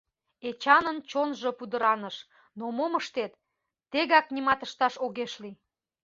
Эчанын чонжо пудыраныш, но мом ыштет, тегак нимат ышташ огеш лий.